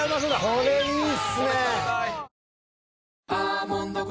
これいいっすね！